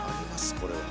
これは。